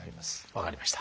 分かりました。